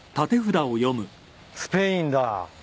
スペインだ。